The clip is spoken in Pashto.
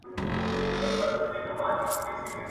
نور مي د ژوند سفر لنډ کړی دی منزل راغلی `